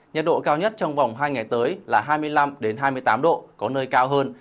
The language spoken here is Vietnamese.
nhiệt độ cao nhất trong vòng hai ngày tới là hai mươi năm hai mươi tám độ có nơi cao hơn